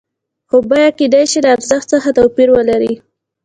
خو بیه کېدای شي له ارزښت څخه توپیر ولري